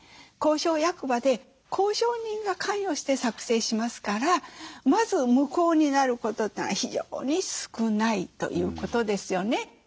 公証役場で公証人が関与して作成しますからまず無効になることってのが非常に少ないということですよね。